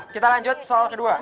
kita lanjut soal kedua